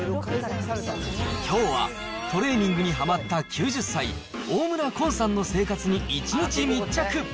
きょうは、トレーニングにはまった９０歳、大村崑さんの生活に一日密着。